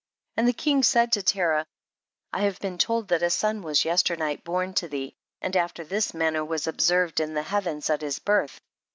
15. And the king said to Terah, I have been told that a son was yes ternight born to thee, and after this manner was observed in the heavens at his birth.